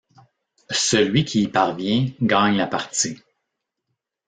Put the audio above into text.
Celui qui y parvient gagne la partie.